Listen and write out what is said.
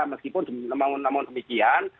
meskipun namun namun demikian